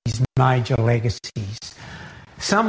akan menjadi legasi utama